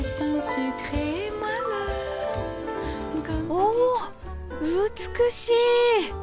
お美しい！